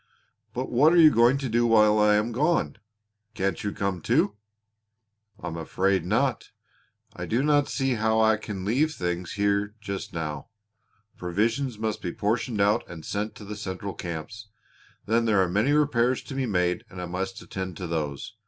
"But what are you going to do while I am gone? Can't you come too?" "I'm afraid not. I do not see how I can leave things here just now. Provisions must be portioned out and sent to the central camps. Then there are many repairs to be made and I must attend to those.